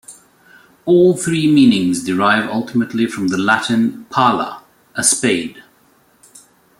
All three meanings derive ultimately from the Latin "pala", a spade.